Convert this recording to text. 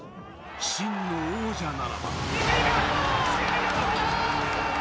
真の王者ならば。